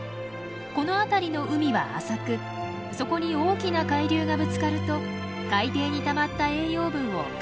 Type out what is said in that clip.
この辺りの海は浅くそこに大きな海流がぶつかると海底にたまった栄養分を海面へと押し上げます。